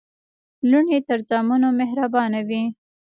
لوڼي تر زامنو مهربانه وي.